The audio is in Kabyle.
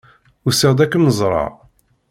Usiɣ-d ad kem-ẓreɣ.